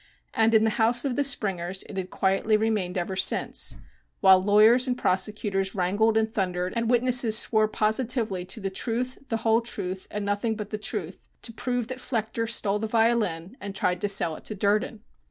And in the house of the Springers it had quietly remained ever since, while lawyers and prosecutors wrangled and thundered and witnesses swore positively to the truth, the whole truth and nothing but the truth, to prove that Flechter stole the violin and tried to sell it to Durden.